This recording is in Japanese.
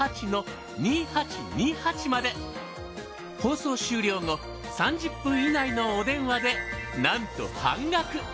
放送終了後３０分以内のお電話でなんと半額。